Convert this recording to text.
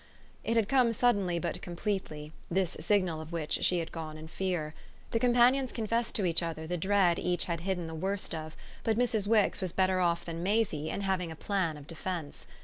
It had come suddenly but completely, this signal of which she had gone in fear. The companions confessed to each other the dread each had hidden the worst of, but Mrs. Wix was better off than Maisie in having a plan of defence.